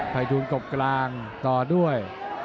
ไภทุนกบกลางต่อด้วย